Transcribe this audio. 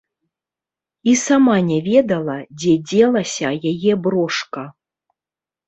І сама не ведала, дзе дзелася яе брошка.